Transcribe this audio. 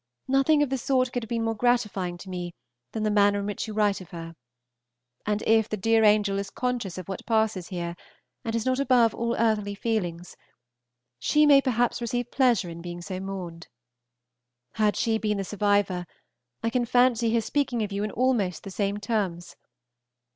Nothing of the sort could have been more gratifying to me than the manner in which you write of her; and if the dear angel is conscious of what passes here, and is not above all earthly feelings, she may perhaps receive pleasure in being so mourned. Had she been the survivor, I can fancy her speaking of you in almost the same terms.